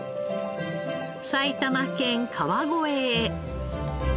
埼玉県川越へ。